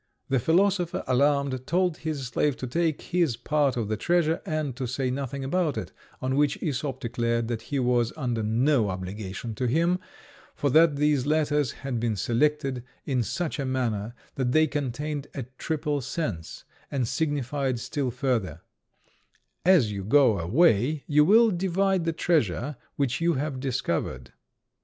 The philosopher, alarmed, told his slave to take his part of the treasure and to say nothing about it; on which Æsop declared that he was under no obligation to him, for that these letters had been selected in such a manner that they contained a triple sense, and signified still further, "As you go away, you will divide the treasure which you have discovered."